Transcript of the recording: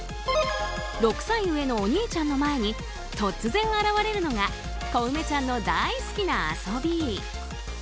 ６歳上のお兄ちゃんの前に突然現れるのが小梅ちゃんの大好きな遊び。